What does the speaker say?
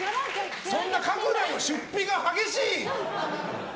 そんな書くなよ、出費が激しい。